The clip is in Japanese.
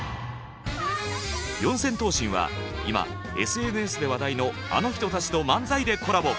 四千頭身は今ＳＮＳで話題のあの人たちと漫才でコラボ。